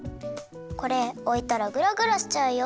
これおいたらグラグラしちゃうよ。